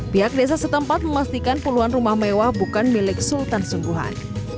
pihak desa setempat memastikan puluhan rumah mewah bukan milik sultan sungguhan